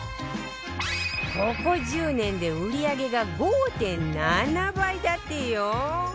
ここ１０年で売り上げが ５．７ 倍だってよ！